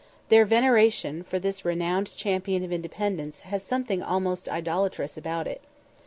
Their veneration for this renowned champion of independence has something almost idolatrous about it.